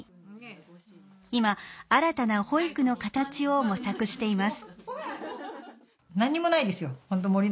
今新たな保育の形を模索しています。